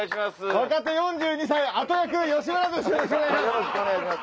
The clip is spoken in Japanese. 若手４２歳後厄吉村です